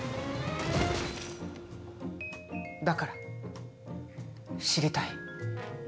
だから、知りたい。